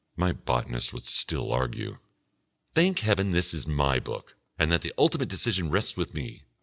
My botanist would still argue. Thank Heaven this is my book, and that the ultimate decision rests with me.